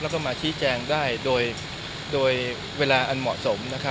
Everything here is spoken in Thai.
แล้วก็มาชี้แจงได้โดยเวลาอันเหมาะสม